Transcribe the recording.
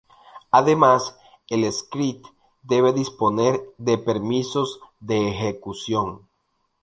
Además, el script debe disponer de permisos de ejecución.